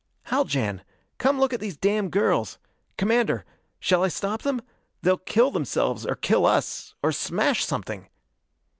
"Haljan, come look at these damn girls! Commander shall I stop them? They'll kill themselves, or kill us or smash something!"